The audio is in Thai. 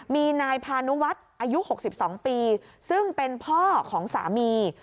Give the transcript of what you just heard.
มีนายพานุวัฒน์อายุ๖๒ปีซึ่งเป็นพ่อของสามี